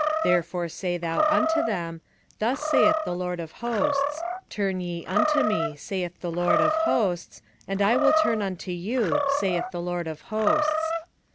1:3 Therefore say thou unto them, Thus saith the LORD of hosts; Turn ye unto me, saith the LORD of hosts, and I will turn unto you, saith the LORD of hosts.